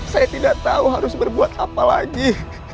saya tidak tahu harus berbuat apa lagi